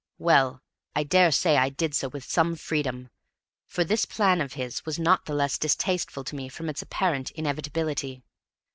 Well, I daresay I did so with some freedom, for this plan of his was not the less distasteful to me from its apparent inevitability.